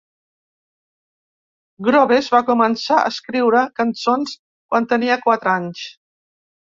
Groves va començar a escriure cançons quan tenia quatre anys.